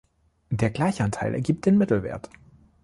Der Gleichanteil ergibt den Mittelwert.